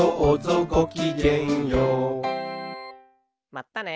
まったね。